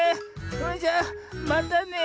それじゃまたね。